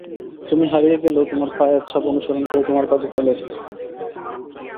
তুমি হারিয়ে গেলেও তোমার পায়ের ছাপ অনুসরণ করে তোমার কাছে চলে এসেছি।